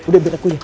udah biar aku aja